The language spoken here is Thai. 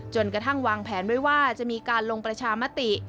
จนกระทั่งวางแผนไว้ว่าจะมีการลงประชามติ